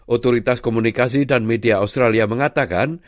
otoritas komunikasi dan media australia mengatakan